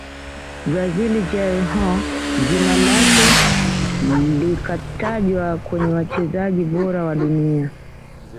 mbrazil Jairzinho jina lake likatajwa kwenye wachezaji bora wa dunia